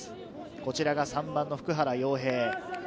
こちらが３番の普久原陽平。